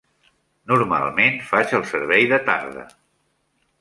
Normalment, faig el servei de tarda.